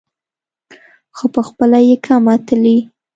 خو پخپله یې کمه تلي.